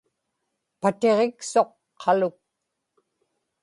patiġiksuq qaluk